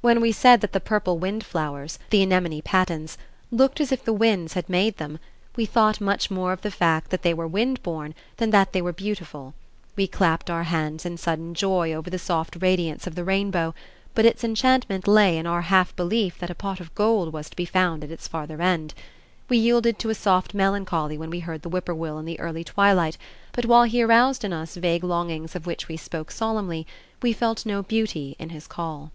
When we said that the purple wind flowers the anemone patens "looked as if the winds had made them," we thought much more of the fact that they were wind born than that they were beautiful: we clapped our hands in sudden joy over the soft radiance of the rainbow, but its enchantment lay in our half belief that a pot of gold was to be found at its farther end; we yielded to a soft melancholy when we heard the whippoorwill in the early twilight, but while he aroused in us vague longings of which we spoke solemnly, we felt no beauty in his call.